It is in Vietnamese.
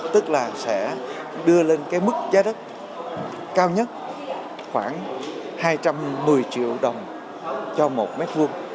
tức là sẽ đưa lên cái mức giá đất cao nhất khoảng hai trăm một mươi triệu đồng cho một mét vuông